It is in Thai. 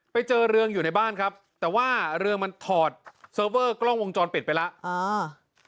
ไปเจอเรืองอยู่ในบ้านครับแต่ว่าเรือมันถอดเซิร์ฟเวอร์กล้องวงจรปิดไปแล้วอ่า